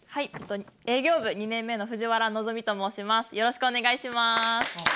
営業部２年目の藤原希と申します。